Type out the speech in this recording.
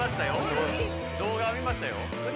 動画は見ましたよ。